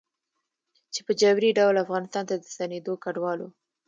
چې په جبري ډول افغانستان ته د ستنېدونکو کډوالو